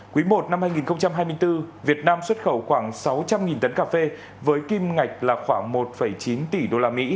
quý i năm hai nghìn hai mươi bốn việt nam xuất khẩu khoảng sáu trăm linh tấn cà phê với kim ngạch là khoảng một chín tỷ usd